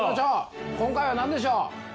今回は何でしょう？